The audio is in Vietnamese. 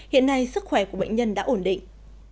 hiện nay sức khỏe của bệnh nhân đã ổn định